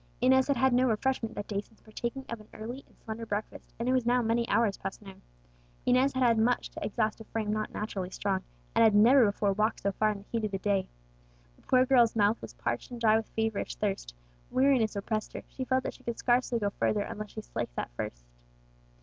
Inez had had no refreshment that day since partaking of an early and slender breakfast, and it was now many hours past noon. Inez had had much to exhaust a frame not naturally strong, and had never before walked so far in the heat of the day. The poor girl's mouth was parched and dry with feverish thirst; weariness oppressed her; she felt that she could scarcely go further unless she slaked that thirst.